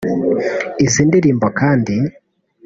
Izi ndirimbo kandi